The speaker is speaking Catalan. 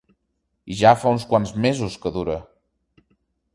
I ja fa uns quants mesos que dura.